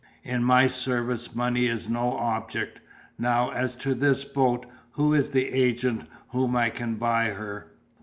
In my service money is no object. Now as to this boat, who is the agent from whom I can buy her?"